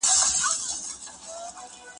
ثریا پا څېږه ماڼو لوګی کړه